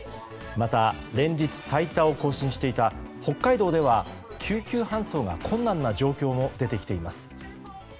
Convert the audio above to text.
また、連日最多を更新していた北海道では救急搬送が困難な状況も出てきています。